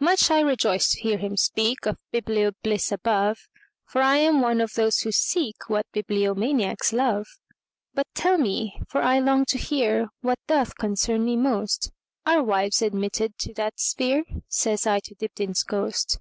Much I rejoiced to hear him speakOf biblio bliss above, For I am one of those who seekWhat bibliomaniacs love."But tell me, for I long to hearWhat doth concern me most, Are wives admitted to that sphere?"Says I to Dibdin's ghost.